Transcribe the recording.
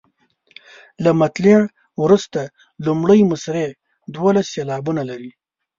له مطلع وروسته لومړۍ مصرع دولس سېلابونه لري.